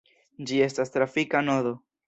Ĝi estas trafika nodo.